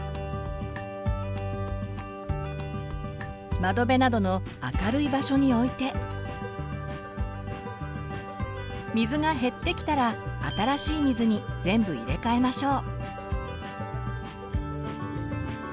窓辺などの明るい場所に置いて水が減ってきたら新しい水に全部入れかえましょう。